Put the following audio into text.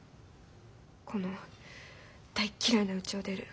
この大嫌いなうちを出る。